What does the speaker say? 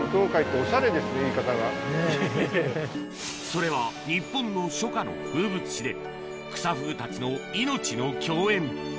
それは日本の初夏の風物詩でクサフグたちの命の共演